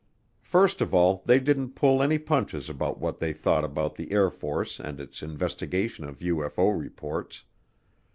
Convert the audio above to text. First of all they didn't pull any punches about what they thought about the Air Force and its investigation of UFO reports.